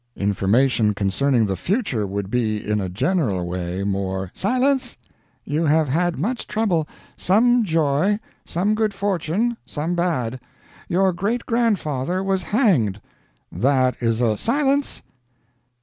"Information concerning the future would be, in a general way, more " "Silence! You have had much trouble, some joy, some good fortune, some bad. Your great grandfather was hanged." "That is a l " "Silence!